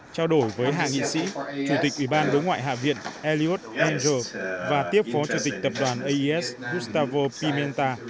trao đổi với hạng nghị sĩ chủ tịch ủy ban đối ngoại hạ viện elliot andrew và tiếp phó chủ tịch tập đoàn aes gustavo pimenta